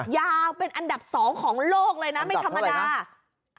ยาวเป็นอันดับสองของโลกเลยนะไม่ธรรมดาอันดับเท่าไรนะ